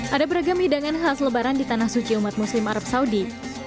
ada beragam hidangan khas lebaran di tanah suci umat muslim arab saudi